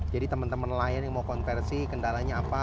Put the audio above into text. jadi teman teman layan yang mau konversi kendalanya apa